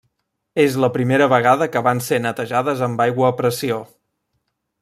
És la primera vegada que van ser netejades amb aigua a pressió.